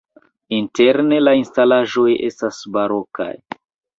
Interne la instalaĵoj estas barokaj.